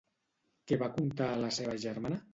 Què va contar a la seva germana?